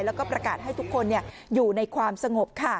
แล้วก็ประกาศให้ทุกคนอยู่ในความสงบค่ะ